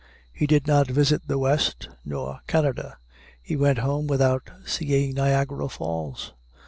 He did not visit the West, nor Canada. He went home without seeing Niagara Falls.